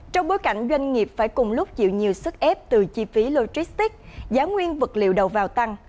trong bối cảnh doanh nghiệp phải cùng lúc chịu nhiều sức ép từ chi phí logistics giá nguyên vật liệu đầu vào tăng